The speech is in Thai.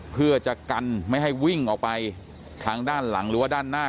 เพื่อจะกันไม่ให้วิ่งออกไปทางด้านหลังหรือว่าด้านหน้า